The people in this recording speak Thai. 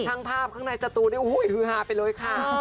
ช่างภาพข้างในจัตรูได้อุ้ยฮือหาไปเลยค่ะ